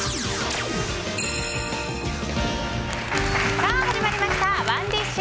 さあ、始まりましたＯｎｅＤｉｓｈ。